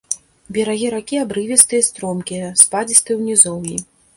Берагі ракі абрывістыя і стромкія, спадзістыя ў нізоўі.